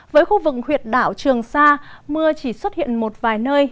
với khu vực huyện đảo trường sa mưa chỉ xuất hiện một vài nơi